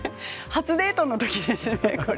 初デートのときですよね。